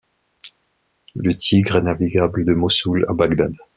Le Tigre est navigable de Mossoul à Bagdad.